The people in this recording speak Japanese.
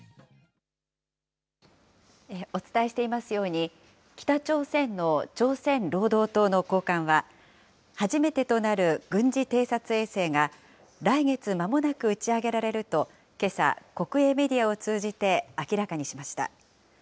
お伝えしていますように、北朝鮮の朝鮮労働党の高官は、初めてとなる軍事偵察衛星が、来月まもなく打ち上げられるとけさ、国営メディアを通じて明らかにしました。